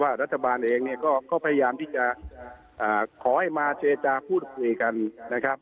รัฐบาลเองเนี่ยก็พยายามที่จะขอให้มาเจรจาพูดคุยกันนะครับ